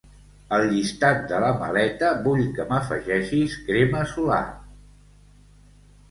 Al llistat de la maleta vull que m'afegeixis crema solar.